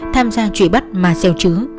tham gia trụi bắt mà xeo chứa